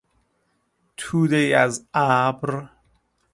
تودهای از ابر